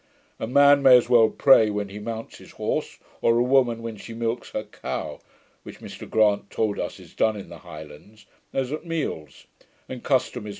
A man may as well pray when he mounts his horse, or a woman when she milks her cow, (which Mr Grant told us is done in the Highlands), as at meals; and custom is to be followed.'